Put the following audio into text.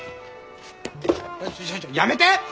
ちょちょちょやめて！